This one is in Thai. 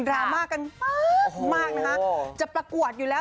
รามากันมากมากนะคะจะประกวดอยู่แล้ว